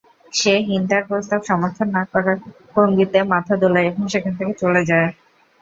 সে হিন্দার প্রস্তাব সমর্থন না করার ভঙ্গিতে মাথা দোলায় এবং সেখান থেকে চলে যায়।